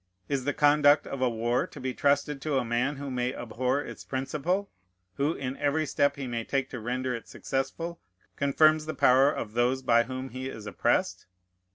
Is the conduct of a war to be trusted to a man who may abhor its principle, who, in every step he may take to render it successful, confirms the power of those by whom he is oppressed?